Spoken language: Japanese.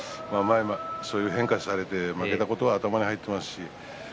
そういう変化されて負けたことを頭に入っています。